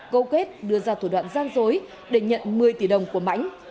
câu kết đưa ra thủ đoạn gian dối để nhận một mươi tỷ đồng của mãnh